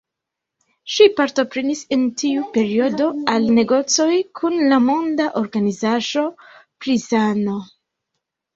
Ŝi partoprenis en tiu periodo al negocoj kun la Monda Organizaĵo pri Sano.